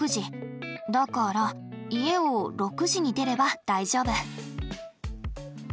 だから家を６時に出れば大丈夫。